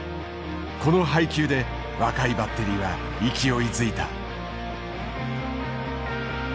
この配球で若いバッテリーは勢いづいた。